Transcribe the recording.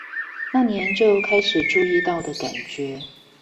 那年就開始注意到的感覺